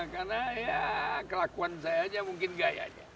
karena ya kelakuan saya aja mungkin gayanya